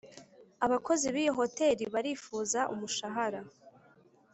abakozi b’iyo hotel barifuza umushahara